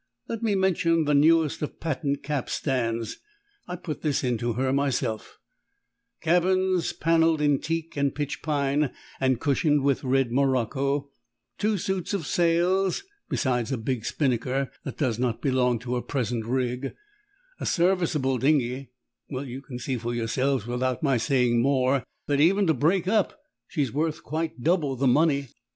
Let me mention the newest of patent capstans I put this into her myself cabins panelled in teak and pitch pine and cushioned with red morocco, two suits of sails, besides a big spinnaker that does not belong to her present rig, a serviceable dinghy well, you can see for yourselves without my saying more, that, even to break up, she is worth quite double the money.